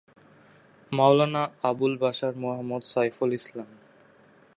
Maulana Abul Bashar Muhammad Saiful Islam.